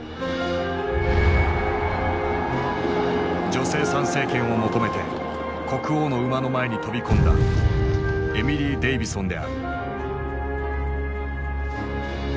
女性参政権を求めて国王の馬の前に飛び込んだエミリー・デイヴィソンである。